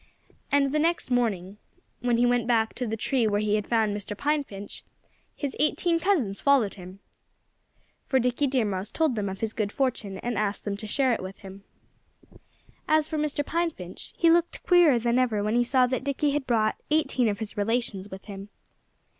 And the next morning, when he went back to the tree where he had found Mr. Pine Finch, his eighteen cousins followed him. For Dickie Deer Mouse told them of his good fortune and asked them to share it with him. As for Mr. Pine Finch, he looked queerer than ever when he saw that Dickie had brought eighteen of his relations with him.